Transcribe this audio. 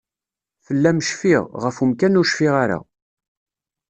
Fell-am cfiɣ, ɣef umkan ur cfiɣ ara.